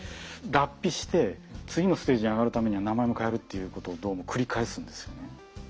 脱皮して次のステージに上がるために名前も変えるっていうことをどうも繰り返すんですよね。